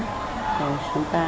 rồi chúng ta